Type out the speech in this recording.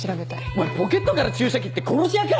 お前ポケットから注射器って殺し屋か！